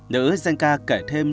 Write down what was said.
nữ danh ca kể thêm